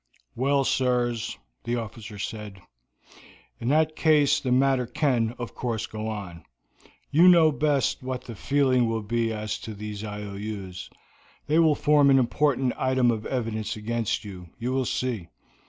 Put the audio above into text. "Well, sirs," the officer said, "in that case the matter can, of course, go on. You know best what the feeling will be as to these IOUs. They will form an important item of evidence against you, you will see.